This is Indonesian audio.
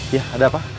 iya ada apa